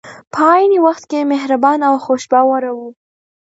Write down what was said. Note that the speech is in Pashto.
په عین وخت کې مهربان او خوش باوره وو.